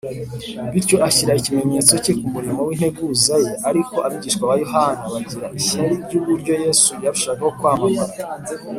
. Bityo ashyira ikimenyetso cye ku murimo w’integuza ye. Ariko abigishwa ba Yohana bagira ishyari ry’uburyo Yesu yarushagaho kwamamara